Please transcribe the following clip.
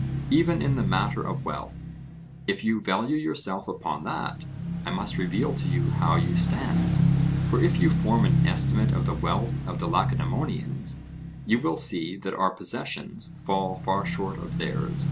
Even in the matter of wealth, if you value yourself upon that, I must reveal to you how you stand; for if you form an estimate of the wealth of the Lacedaemonians, you will see that our possessions fall far short of theirs.